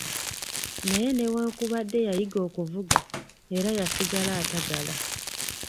Naye newankubadde yayiga okuvuga era yasigala atagala.